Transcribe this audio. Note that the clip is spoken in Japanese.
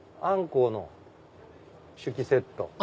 アンコウの酒器セット。